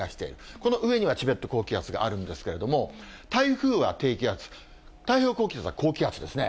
この上にはチベット高気圧があるんですけれども、台風は低気圧、太平洋高気圧は高気圧ですね。